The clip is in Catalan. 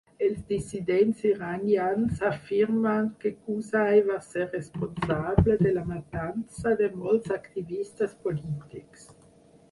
Els dissidents iranians afirmen que Qusay va ser responsable de la matança de molts activistes polítics.